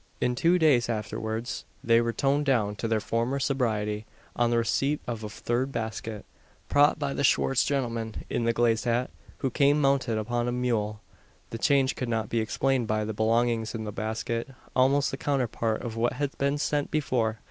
In two days afterwards they were toned down to their former sobriety on the receipt of a third basket, "prot by the Schwartz gentleman" in the glazed hat, who came mounted upon a mule. The change could not be explained by the belongings in the basket almost the counterpart of what had been sent before.